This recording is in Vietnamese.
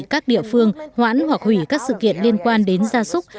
các địa phương hoãn hoặc hủy các sự kiện liên quan đến gia súc